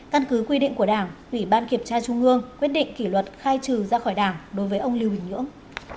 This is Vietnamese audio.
căn cứ quy định của đảng ủy ban kiểm tra trung ương quyết định kỷ luật khai trừ ra khỏi đảng đối với ông lưu bình nhưỡng